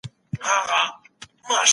زېربناوي باید په عصري توګه جوړې سي.